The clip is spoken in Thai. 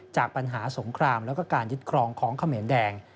จากปัญหาสงครามแล้วก็การยึดครองของเขมรแดง